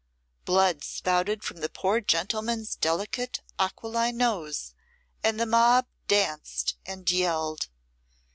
Blood spouted from the poor gentleman's delicate aquiline nose, and the mob danced and yelled.